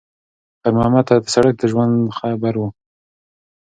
خیر محمد ته سړک د ژوند جبر و.